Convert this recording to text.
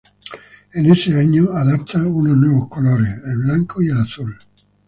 En ese año adapta unos nuevos colores, el blanco y el azul.